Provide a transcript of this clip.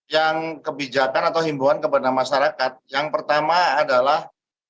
yang kebijakan atau himbuan kepada masyarakat yang pertama adalah